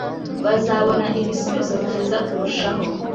bazabona ibisubizo byiza kurushaho.